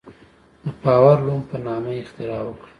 د پاور لوم په نامه اختراع وکړه.